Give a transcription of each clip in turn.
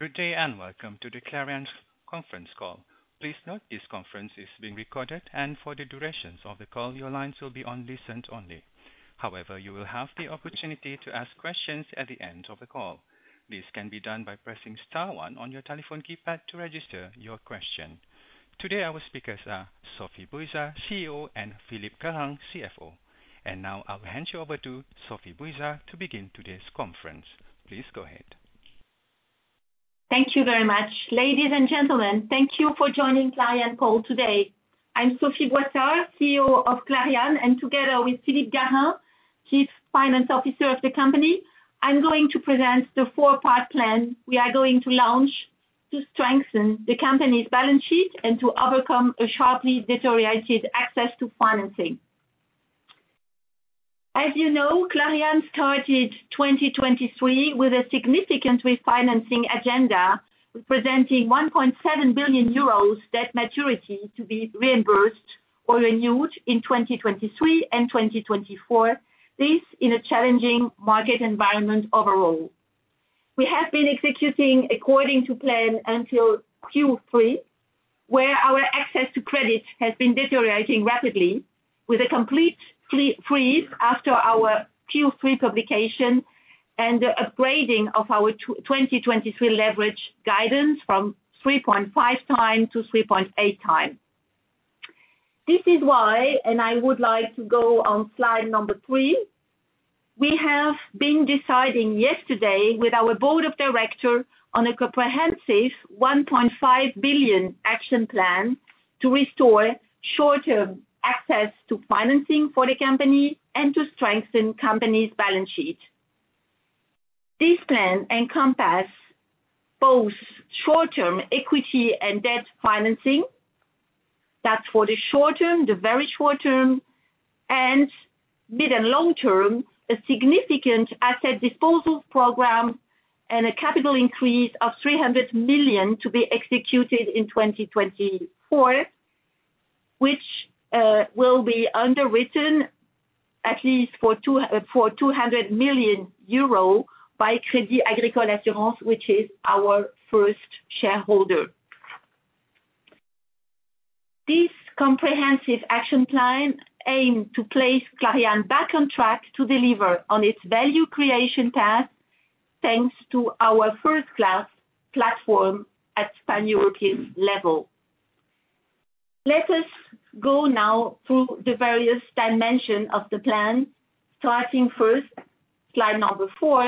Good day, and welcome to the Clariane conference call. Please note this conference is being recorded, and for the duration of the call, your lines will be on listen only. However, you will have the opportunity to ask questions at the end of the call. This can be done by pressing star one on your telephone keypad to register your question. Today, our speakers are Sophie Boissard, CEO, and Philippe Garin, CFO. Now I'll hand you over to Sophie Boissard to begin today's conference. Please go ahead. Thank you very much. Ladies and gentlemen, thank you for joining Clariane call today. I'm Sophie Boissard, CEO of Clariane, and together with Philippe Garin, Chief Financial Officer of the company, I'm going to present the four-part plan we are going to launch to strengthen the company's balance sheet and to overcome a sharply deteriorated access to financing. As you know, Clariane started 2023 with a significant refinancing agenda, representing 1.7 billion euros debt maturity to be reimbursed or renewed in 2023 and 2024. This in a challenging market environment overall. We have been executing according to plan until Q3, where our access to credit has been deteriorating rapidly with a complete freeze after our Q3 publication and the upgrading of our 2023 leverage guidance from 3.5x-3.8x. This is why, and I would like to go on slide number three. We have been deciding yesterday with our Board of Director on a comprehensive 1.5 billion action plan to restore short-term access to financing for the company and to strengthen company's balance sheet. This plan encompass both short-term equity and debt financing. That's for the short term, the very short term and mid and long term, a significant asset disposals program and a capital increase of 300 million to be executed in 2024, which will be underwritten at least for 200 million euro by Crédit Agricole Assurances, which is our first shareholder. This comprehensive action plan aim to place Clariane back on track to deliver on its value creation path, thanks to our first-class platform at pan-European level. Let us go now through the various dimensions of the plan, starting first, slide number four,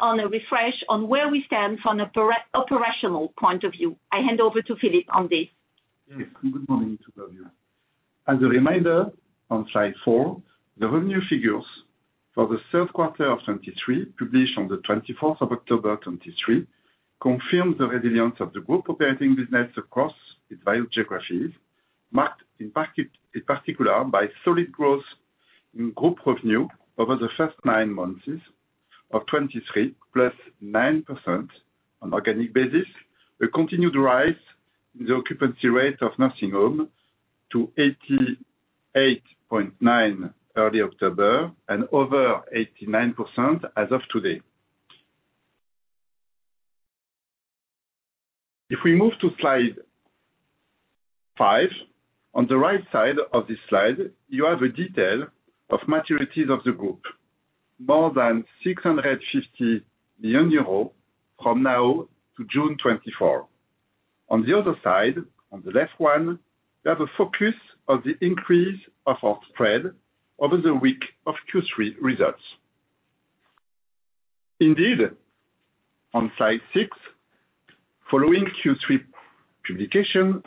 on a refresh on where we stand from an operational point of view. I hand over to Philippe on this. Yes, good morning to all you. As a reminder, on slide four, the revenue figures for the third quarter of 2023, published on the 24th of October 2023, confirmed the resilience of the group operating business across its various geographies, marked in particular by solid growth in group revenue over the first nine months of 2023, +9% on organic basis. A continued rise in the occupancy rate of nursing home to 88.9 early October and over 89% as of today. If we move to slide five, on the right side of this slide, you have a detail of maturities of the group, more than 650 million euros from now to June 2024. On the other side, on the left one, we have a focus on the increase of our spread over the week of Q3 results. Indeed, on slide six, following Q3 publication,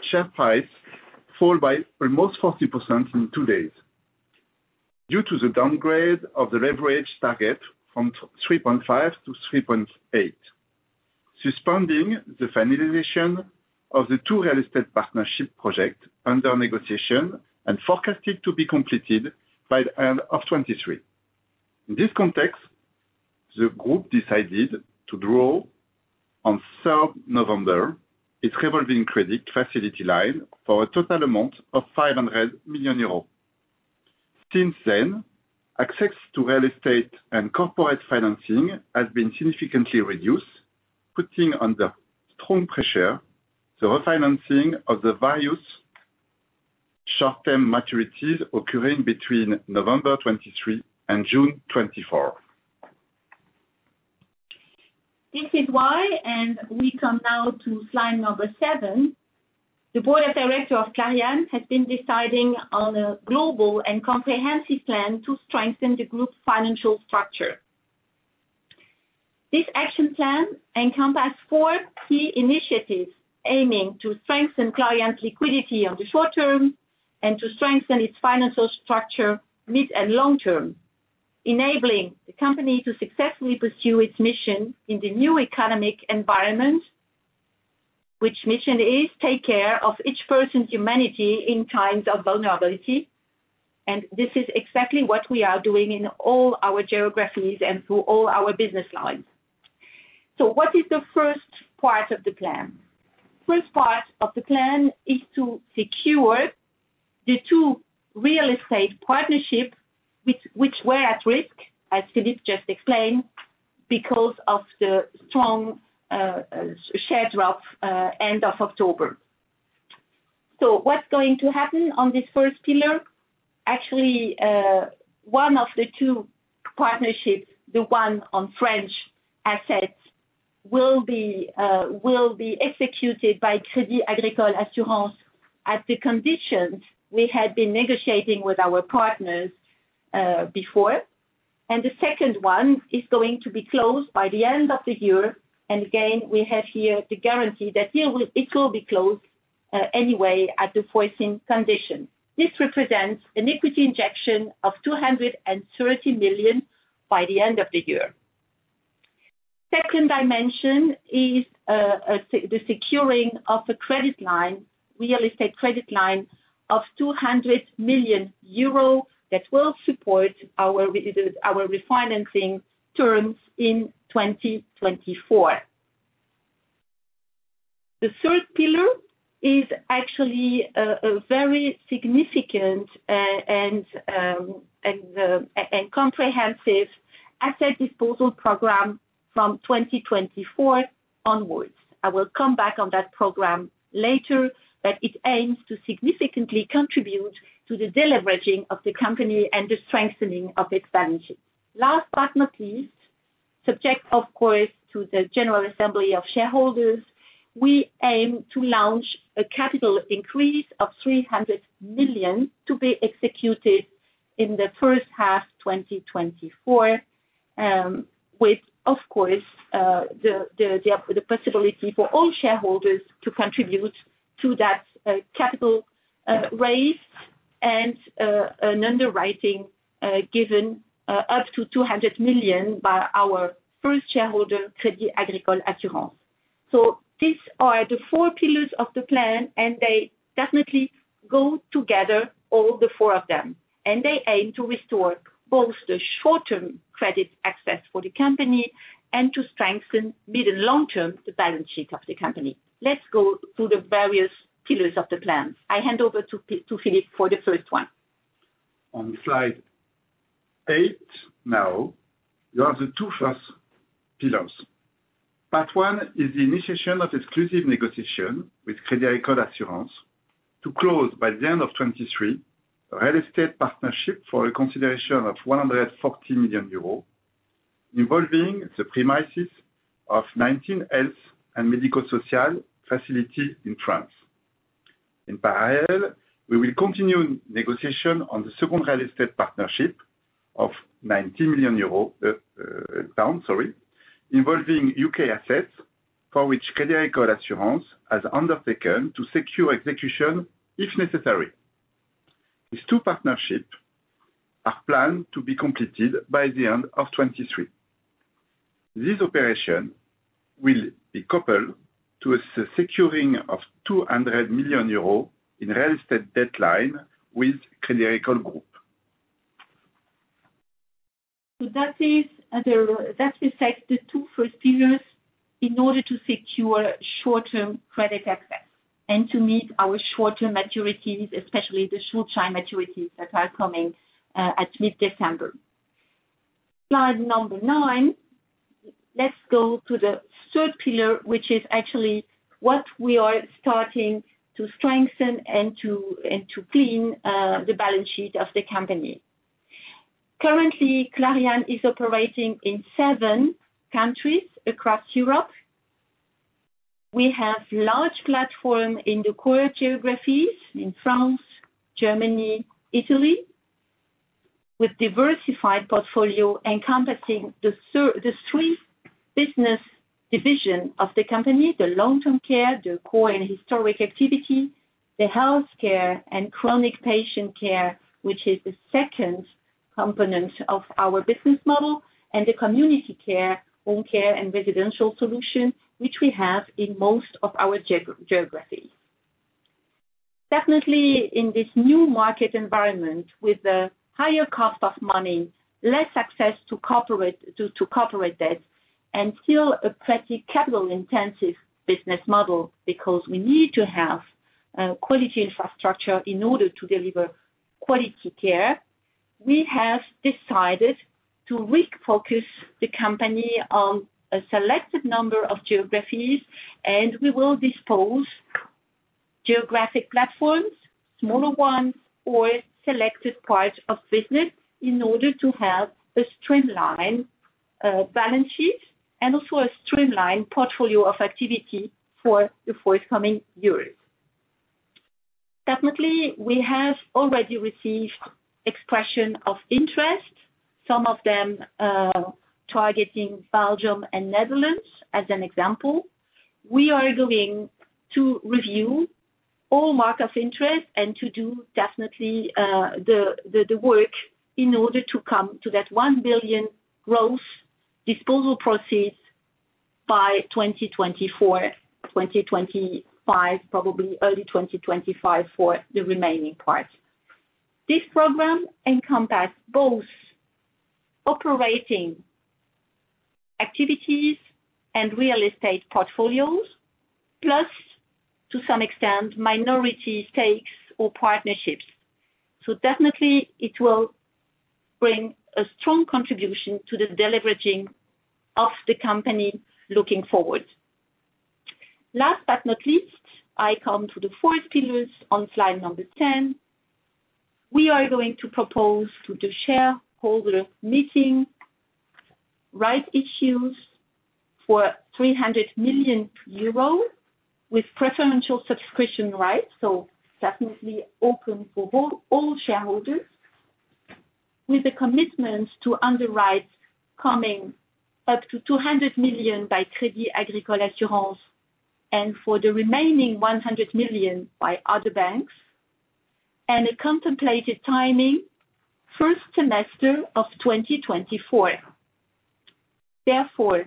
share price fell by almost 40% in two days due to the downgrade of the leverage target from 3.5-3.8, suspending the finalization of the two real estate partnership projects under negotiation and forecasted to be completed by the end of 2023. In this context, the group decided to draw on 3 November its Revolving Credit Facility line for a total amount of 500 million euros. Since then, access to real estate and corporate financing has been significantly reduced, putting under strong pressure the refinancing of the various short-term maturities occurring between November 2023 and June 2024. This is why, and we come now to slide number seven. The board of directors of Clariane has been deciding on a global and comprehensive plan to strengthen the group's financial structure. This action plan encompass four key initiatives, aiming to strengthen current liquidity on the short term and to strengthen its financial structure, mid and long term, enabling the company to successfully pursue its mission in the new economic environment, which mission is take care of each person's humanity in times of vulnerability, and this is exactly what we are doing in all our geographies and through all our business lines. So what is the first part of the plan? First part of the plan is to secure the two real estate partnerships, which were at risk, as Philippe just explained, because of the strong share drop end of October. So what's going to happen on this first pillar? Actually, one of the two partnerships, the one on French assets, will be executed by Crédit Agricole Assurances at the conditions we had been negotiating with our partners, before. And the second one is going to be closed by the end of the year. And again, we have here the guarantee that deal will be closed, anyway, at the closing condition. This represents an equity injection of 230 million by the end of the year. Second dimension is, the securing of the credit line, real estate credit line of 200 million euro that will support our maturities, our refinancing terms in 2024. The third pillar is actually a very significant and comprehensive asset disposal program from 2024 onwards. I will come back on that program later, but it aims to significantly contribute to the deleveraging of the company and the strengthening of its balance sheet. Last but not least, subject, of course, to the General Assembly of shareholders, we aim to launch a capital increase of 300 million to be executed in the first half 2024, with, of course, the possibility for all shareholders to contribute to that capital raise and an underwriting given up to 200 million by our first shareholder, Crédit Agricole Assurances. So these are the four pillars of the plan, and they definitely go together, all the four of them, and they aim to restore both the short-term credit access for the company and to strengthen mid- and long-term, the balance sheet of the company. Let's go through the various pillars of the plan. I hand over to Philippe for the first one. On slide eight now, you have the two first pillars. Part one is the initiation of exclusive negotiation with Crédit Agricole Assurances to close by the end of 2023, a real estate partnership for a consideration of 140 million euros, involving the premises of 19 health and medical social facility in France. In parallel, we will continue negotiation on the second real estate partnership of GBP 90 million, pound, sorry, involving U.K. assets, for which Crédit Agricole Assurances has undertaken to secure execution, if necessary. These two partnerships are planned to be completed by the end of 2023. This operation will be coupled to a securing of 200 million euros in real estate debt line with Crédit Agricole Group. So that is, the, that is like the two first pillars in order to secure short-term credit access and to meet our short-term maturities, especially the short-term maturities that are coming, at mid-December. Slide number nine, let's go to the third pillar, which is actually what we are starting to strengthen and to clean, the balance sheet of the company. Currently, Clariane is operating in seven countries across Europe. We have large platform in the core geographies in France, Germany, Italy, with diversified portfolio encompassing the the three business division of the company, the long-term care, the core and historic activity, the health care, and chronic patient care, which is the second component of our business model, and the community care, home care, and residential solutions, which we have in most of our geographies. Definitely, in this new market environment, with the higher cost of money, less access to corporate debt, and still a pretty capital-intensive business model, because we need to have quality infrastructure in order to deliver quality care. We have decided to refocus the company on a selected number of geographies, and we will dispose geographic platforms, smaller ones, or selected parts of business in order to have a streamlined balance sheet and also a streamlined portfolio of activity for the forthcoming years. Definitely, we have already received expression of interest, some of them targeting Belgium and Netherlands, as an example. We are going to review all marks of interest and to do definitely the work in order to come to that 1 billion growth disposal proceeds by 2024, 2025, probably early 2025 for the remaining part. This program encompasses both operating activities and real estate portfolios, plus to some extent, minority stakes or partnerships. So definitely, it will bring a strong contribution to the deleveraging of the company looking forward. Last but not least, I come to the fourth pillars on slide number 10. We are going to propose to the shareholder meeting, rights issues for 300 million euros with preferential subscription rights, so definitely open for all, all shareholders, with a commitment to underwrite coming up to 200 million by Crédit Agricole Assurances, and for the remaining 100 million by other banks, and a contemplated timing, first semester of 2024. Therefore,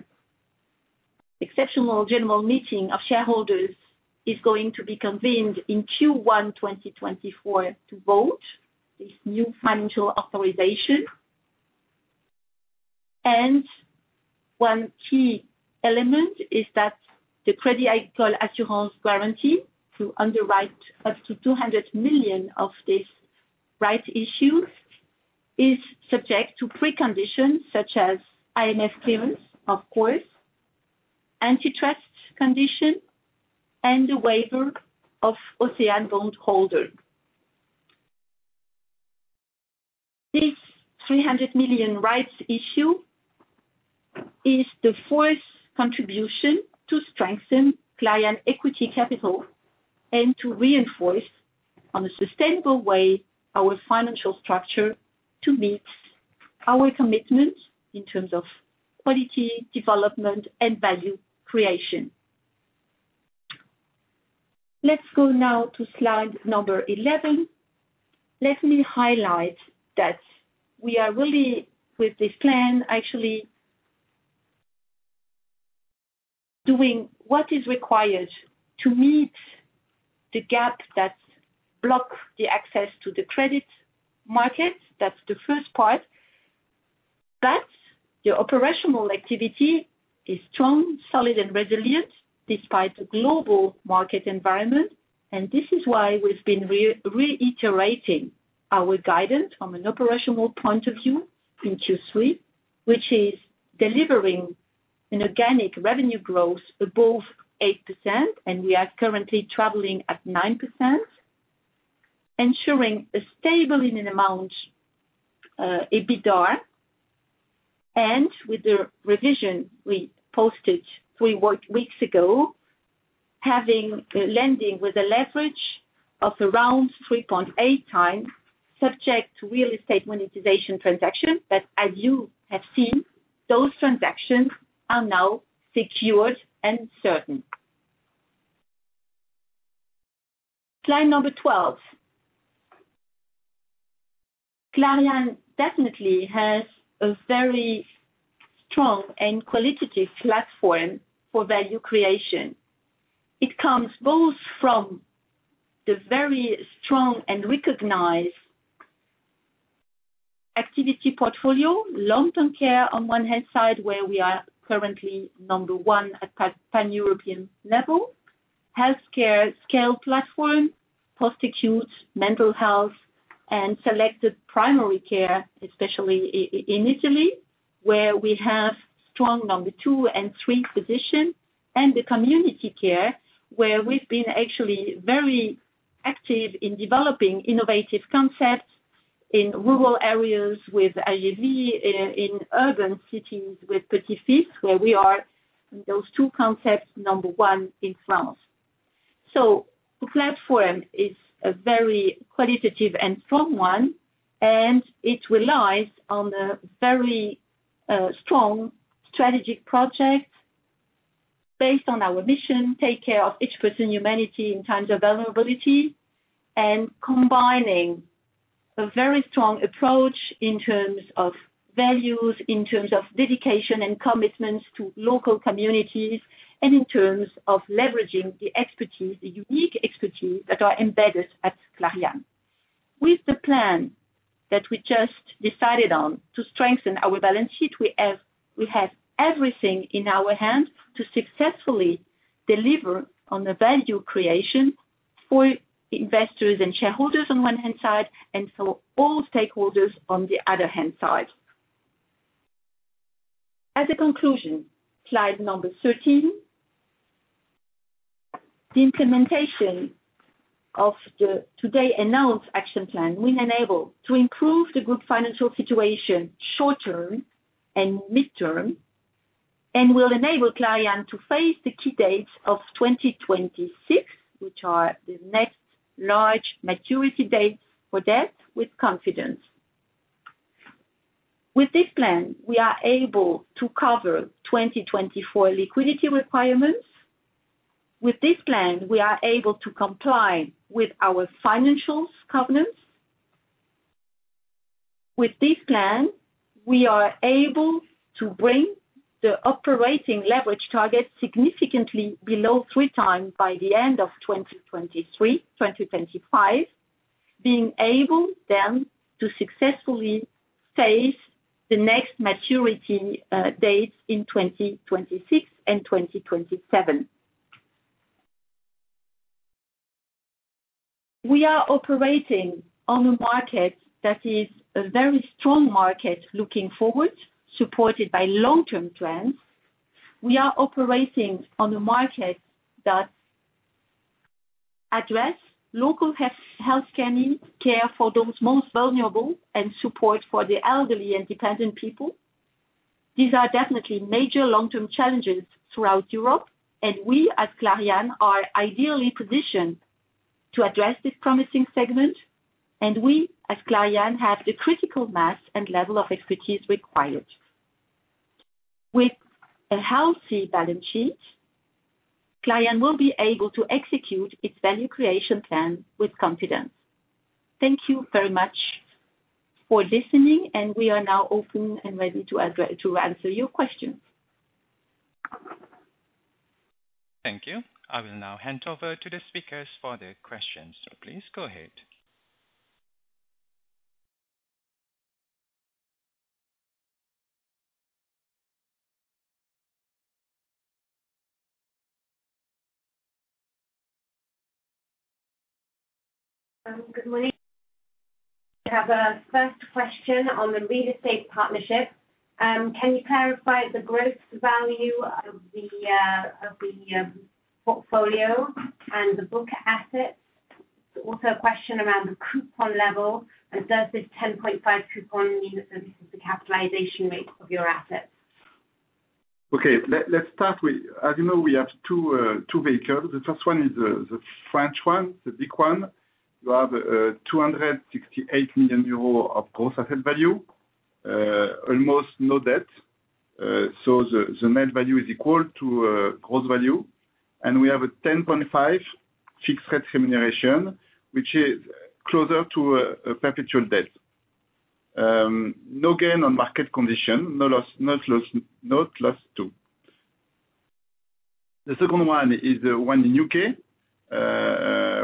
exceptional general meeting of shareholders is going to be convened in Q1 2024 to vote this new financial authorization. One key element is that the Crédit Agricole Assurances guarantee to underwrite up to 200 million of this rights issue, is subject to preconditions such as AMF clearance, of course, antitrust condition, and the waiver of OCÉANE bondholders. This 300 million rights issue is the fourth contribution to strengthen Clariane equity capital and to reinforce, in a sustainable way, our financial structure to meet our commitment in terms of quality, development, and value creation. Let's go now to slide number 11. Let me highlight that we are really, with this plan, actually doing what is required to meet the gap that blocks the access to the credit market. That's the first part. That the operational activity is strong, solid, and resilient despite the global market environment, and this is why we've been reiterating our guidance from an operational point of view in Q3, which is delivering an organic revenue growth above 8%, and we are currently traveling at 9%, ensuring a stable in an amount, EBITDA. And with the revision we posted three work weeks ago, having, lending with a leverage of around 3.8x, subject to real estate monetization transactions, that as you have seen, those transactions are now secured and certain. Slide number 12. Clariane definitely has a very strong and qualitative platform for value creation. It comes both from the very strong and recognized activity portfolio, long-term care on one hand side, where we are currently number one at pan-European level. Healthcare scale platform, post-acute mental health, and selected primary care, especially in Italy, where we have strong number two and three physician, and the community care, where we've been actually very active in developing innovative concepts in rural areas with AEV, in urban cities, with Petits-fils, where we are, in those two concepts, number one in France. So the platform is a very qualitative and strong one, and it relies on a very, strong strategic project based on our mission, take care of each person, humanity in times of vulnerability, and combining a very strong approach in terms of values, in terms of dedication and commitments to local communities, and in terms of leveraging the expertise, the unique expertise that are embedded at Clariane. With the plan that we just decided on to strengthen our balance sheet, we have, we have everything in our hand to successfully deliver on the value creation for investors and shareholders on one hand side, and for all stakeholders on the other hand side. As a conclusion, slide number 13. The implementation of the today announced action plan will enable to improve the group financial situation, short term and midterm, and will enable Clariane to face the key dates of 2026, which are the next large maturity dates for debt with confidence. With this plan, we are able to cover 2024 liquidity requirements. With this plan, we are able to comply with our financial covenants. With this plan, we are able to bring the operating leverage target significantly below 3x by the end of 2023-2025.... being able then to successfully face the next maturity date in 2026 and 2027. We are operating on a market that is a very strong market, looking forward, supported by long-term trends. We are operating on a market that address local health scanning, care for those most vulnerable, and support for the elderly and dependent people. These are definitely major long-term challenges throughout Europe, and we, as Clariane, are ideally positioned to address this promising segment, and we, as Clariane, have the critical mass and level of expertise required. With a healthy balance sheet, Clariane will be able to execute its value creation plan with confidence. Thank you very much for listening, and we are now open and ready to answer your questions. Thank you. I will now hand over to the speakers for the questions. Please go ahead. Good morning. We have a first question on the real estate partnership. Can you clarify the gross value of the portfolio and the book assets? Also, a question around the coupon level, and does this 10.5 coupon mean that this is the capitalization rate of your assets? Okay. Let's start with— As you know, we have two vehicles. The first one is the French one, the big one. We have 268 million euros of gross asset value, almost no debt. So the net value is equal to gross value. And we have a 10.5 fixed rate remuneration, which is closer to a perpetual debt. No gain on market condition. No loss too. The second one is one in the U.K.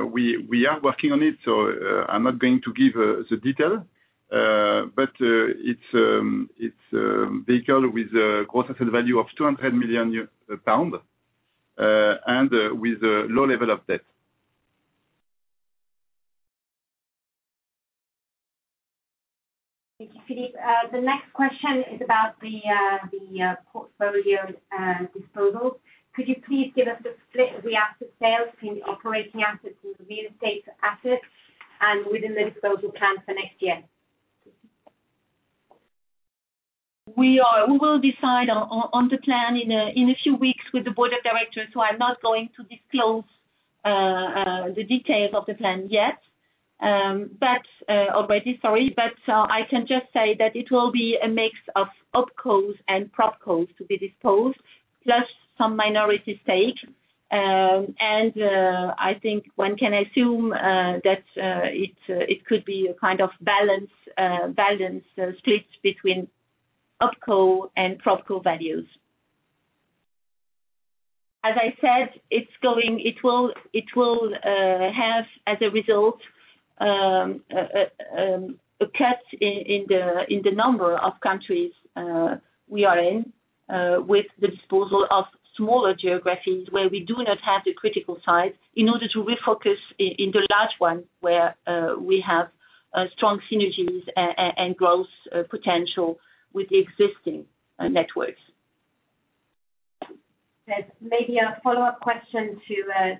We are working on it, so I'm not going to give the detail. But it's a vehicle with a gross asset value of 200 million pounds and with a low level of debt. Thank you, Philippe. The next question is about the portfolio disposals. Could you please give us the split of the asset sales between the operating assets and the real estate assets, and within the disposal plan for next year? We will decide on the plan in a few weeks with the board of directors, so I'm not going to disclose the details of the plan yet. But already, sorry, but I can just say that it will be a mix of Opcos and Propcos to be disposed, plus some minority stake. And I think one can assume that it could be a kind of balance split between Opco and Propco values. As I said, it will have, as a result, a cut in the number of countries we are in, with the disposal of smaller geographies, where we do not have the critical size, in order to refocus in the large one, where we have strong synergies and growth potential with the existing networks. There's maybe a follow-up question to,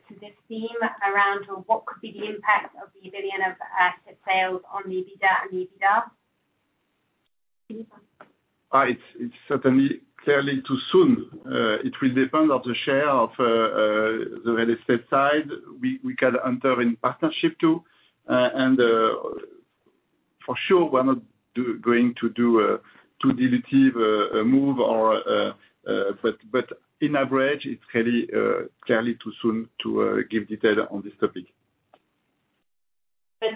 to this theme around on what could be the impact of the 1 billion of asset sales on the EBITDA and the EBITDA? Philippe. It's certainly clearly too soon. It will depend on the share of the real estate side we can enter in partnership to. And for sure, we're not going to do a too dilutive move or, but in average, it's clearly too soon to give detail on this topic.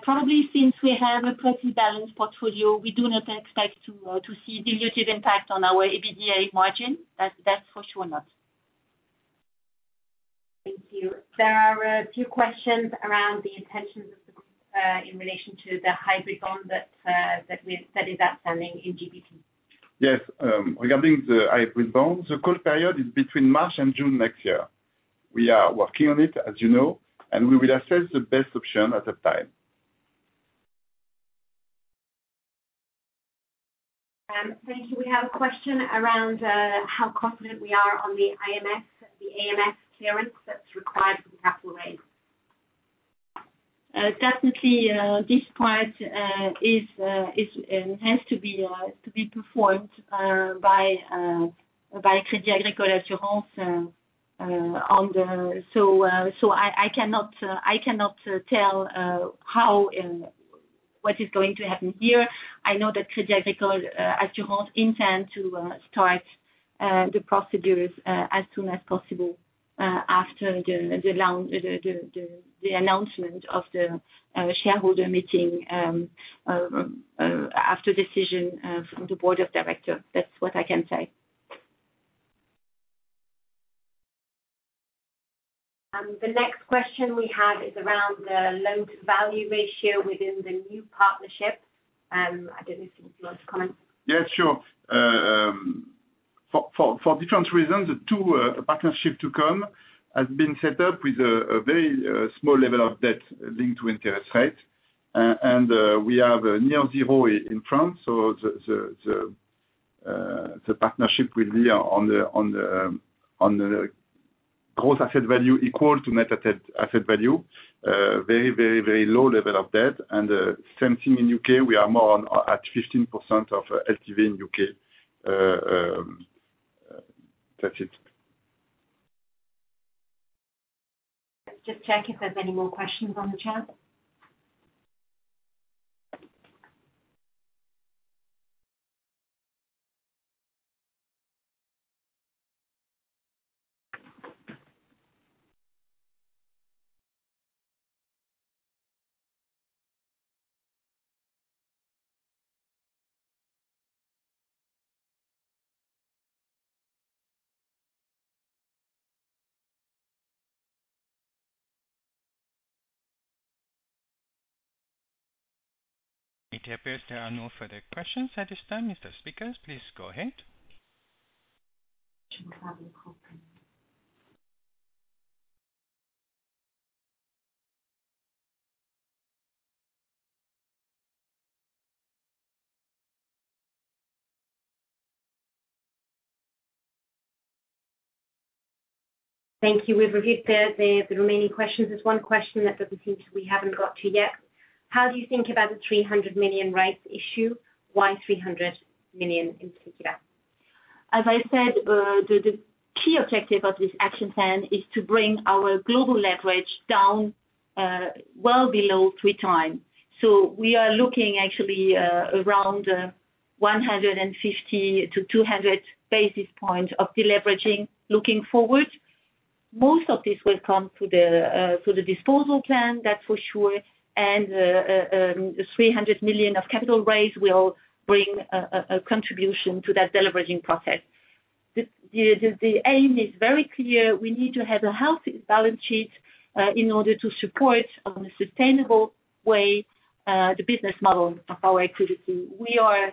Probably since we have a pretty balanced portfolio, we do not expect to see dilutive impact on our EBITDA margin. That's, that's for sure not. Thank you. There are a few questions around the intentions of the group in relation to the hybrid bond that we issued that's outstanding in GBP. Yes. Regarding the hybrid bond, the call period is between March and June next year. We are working on it, as you know, and we will assess the best option at the time. Thank you. We have a question around how confident we are on the IMS and the AMS clearance that's required for the capital raise. Definitely, this part has to be performed by Crédit Agricole Assurances on the... So, I cannot tell how what is going to happen here. I know that Crédit Agricole Assurances intend to start the procedures as soon as possible after the launch, the announcement of the shareholder meeting after decision from the Board of Directors. That's what I can say. ... The next question we have is around the loan-to-value ratio within the new partnership. I don't know if you'd like to comment? Yeah, sure. For different reasons, the two, the partnership to come has been set up with a very small level of debt linked to interest rate. And we have near zero in France, so the partnership with Lia on the gross asset value equal to net asset value. Very, very, very low level of debt, and same thing in U.K. We are more on at 15% of LTV in U.K. That's it. Just check if there's any more questions on the chat. It appears there are no further questions at this time. Mr. Speakers, please go ahead. Thank you. We've reviewed the remaining questions. There's one question that doesn't seem to we haven't got to yet. How do you think about the 300 million rights issue? Why 300 million in particular? As I said, the key objective of this action plan is to bring our global leverage down, well below 3x. So we are looking actually around 150-200 basis points of deleveraging looking forward. Most of this will come through the disposal plan, that's for sure, and the 300 million capital raise will bring a contribution to that deleveraging process. The aim is very clear. We need to have a healthy balance sheet in order to support on a sustainable way the business model of our activity. We are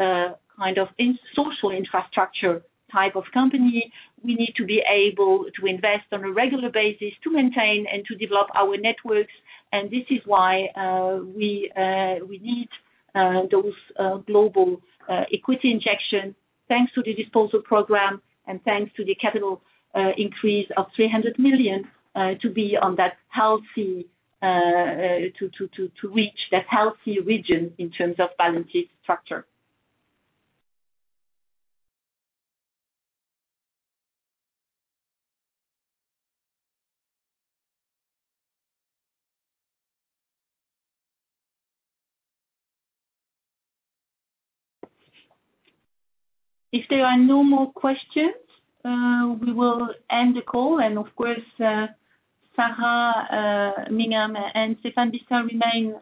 a kind of in social infrastructure type of company. We need to be able to invest on a regular basis to maintain and to develop our networks, and this is why we, we need those global equity injection, thanks to the disposal program and thanks to the capital increase of 300 million to be on that healthy to reach that healthy region in terms of balance sheet structure. If there are no more questions, we will end the call. And of course, Sarah Mingham and Stéphane Bisseuil remain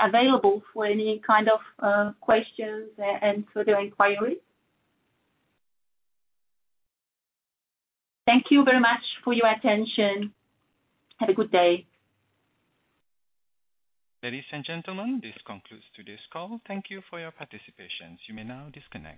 available for any kind of questions and further inquiries. Thank you very much for your attention. Have a good day. Ladies and gentlemen, this concludes today's call. Thank you for your participation. You may now disconnect.